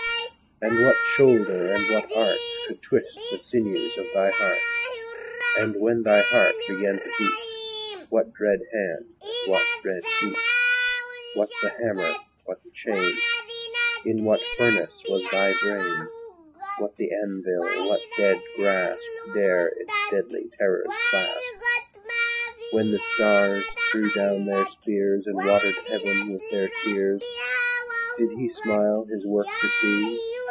And what shoulder and what art Could twist the sinews of thy heart? And, when thy heart began to beat, What dread hand and what dread feet? What the hammer? what the chain? In what furnace was thy brain? What the anvil? what dread grasp Dare its deadly terrors clasp? When the stars threw down their spears, And watered heaven with their tears, Did He smile His work to see?